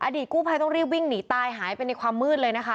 กู้ภัยต้องรีบวิ่งหนีตายหายไปในความมืดเลยนะคะ